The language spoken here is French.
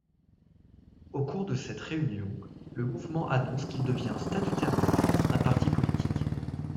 Au cours de cette réunion le mouvement annonce qu’il devient statutairement un parti politique.